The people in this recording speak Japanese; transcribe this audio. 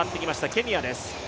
ケニアです。